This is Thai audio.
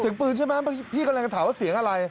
เสียงปืนใช่ไหมพี่กำลังจะถามว่าเสียงอะไร